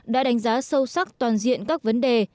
đã đánh giá sâu sắc toàn diện các vấn đề